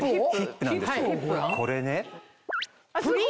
これね。